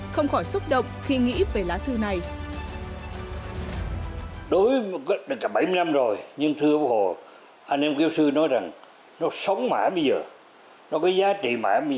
không khỏi xúc động khi nghĩ về lá thư này